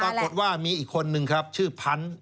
ปรากฏว่ามีอีกคนนึงครับชื่อพันธุ์